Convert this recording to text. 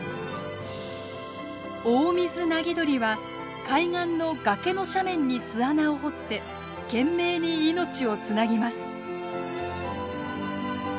オオミズナギドリは海岸の崖の斜面に巣穴を掘って懸命に命をつなぎます。